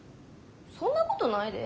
そんなことないで。